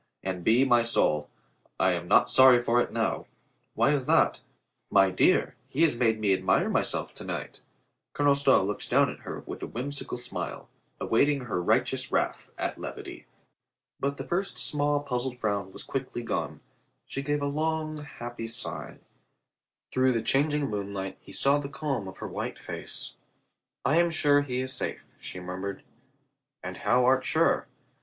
"And by my soul, I am not sorry for it now." "Why is that?" "My dear, he has made me admire myself to night" Colonel Stow looked down at her with a whimsical smile, awaiting her righteous wrath at levity. But the first small puzzled frown was quickly gone. She gave a long happy sigh. Through the changing moonlight he saw the calm of her white face. "I am sure he is safe," she murmured. "And how art sure?"